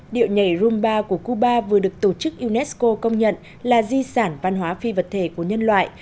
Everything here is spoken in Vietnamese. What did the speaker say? điệu nhảy rumba của cuba vừa được tổ chức unesco công nhận là di sản văn hóa phi vật thể của nhân loại